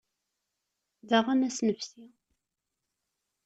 Daɣen ad as-nefsi.